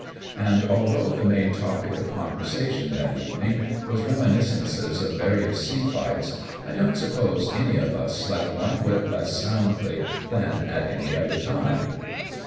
And although the main topic of conversation that evening was reminiscences of various sea fights, I don^fc suppose any of us slept one whit less soundly than at any other time.